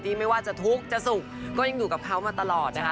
ไม่ว่าจะทุกข์จะสุขก็ยังอยู่กับเขามาตลอดนะคะ